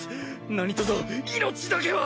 何とぞ命だけは！